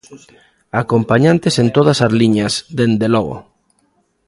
Acompañantes en todas as liñas, dende logo.